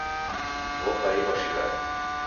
Wovailwa shighadi.